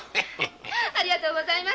ありがとうございます。